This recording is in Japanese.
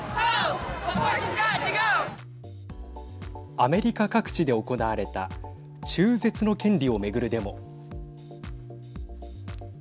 アメリカ各地で行われた中絶の権利を巡るデモ。